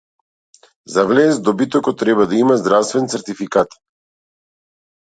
За влез добитокот треба да има здравствен сертификат